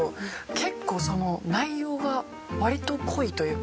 結構内容が割と濃いというか。